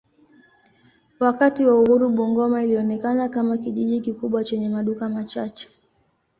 Wakati wa uhuru Bungoma ilionekana kama kijiji kikubwa chenye maduka machache.